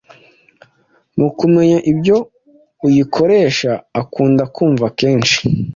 mu kumenya ibyo uyikoresha akunda kumva kenshi.